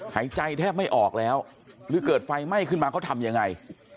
หายใจแทบไม่ออกแล้วหรือเกิดไฟไหม้ขึ้นมาเขาทำยังไง